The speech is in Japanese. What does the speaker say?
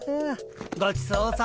ごちそうさま。